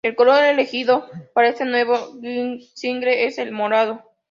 El color elegido para este nuevo single es el morado.